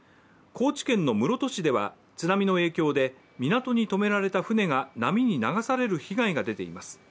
高知県の室戸市では津波の影響で港に止められた船が波に流される被害が出ています。